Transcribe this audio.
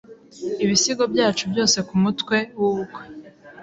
Ibisigo byacu byose kumutwe wubukwe.